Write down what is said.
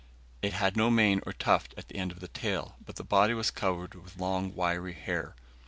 It had no mane or tuft at end of tail, but the body was covered with long wiry hair.